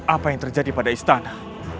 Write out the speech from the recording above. apa yang terjadi pada istana